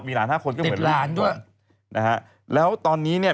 หลานห้าคนก็เหมือนหลานด้วยนะฮะแล้วตอนนี้เนี่ย